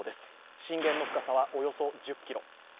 震源の深さはおよそ１０ｋｍ。